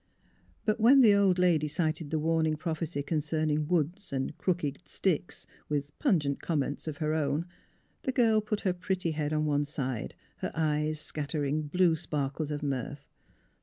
But when the old lady cited the warning prophecy concerning '' w^oods " and *' crooked sticks," with pungent comments of her own, the girl put her pretty head on one side, her eyes scat tering blue sparkles of mirth.